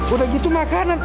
udah gitu makanan